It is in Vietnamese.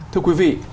thưa quý vị